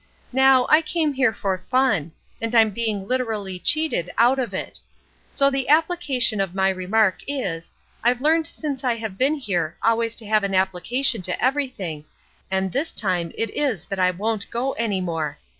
Now, I came here for fun, and I'm being literally cheated out of it. So the application of my remark is, I've learned since I have been here always to have an application to everything, and this time it is that I won't go any more.